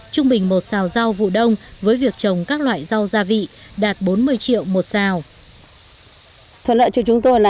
trung bình một xào rau vụ đông với việc trồng các loại rau gia vị đạt bốn mươi triệu một sao